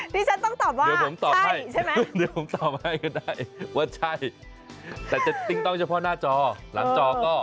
ดิฉันต้องตอบว่าใช่ใช่ไหมว่าใช่แต่จะติ๊งต้องเฉพาะหน้าจอหลังจอก็